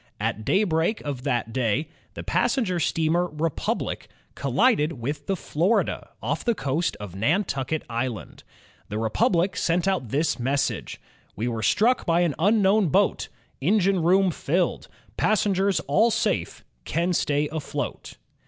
At daybreak of that day the passenger steamer Republic collided with the Florida, off the coast of Nan tucket Island. The Republic sent out this message: "We were struck by an unknown boat; engine room filled; 262 OTHER FAMOUS INVENTORS OF TO DAY passengers all safe; can stay afloat."